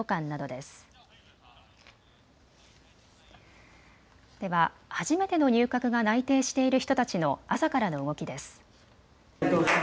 では、初めての入閣が内定している人たちの朝からの動きです。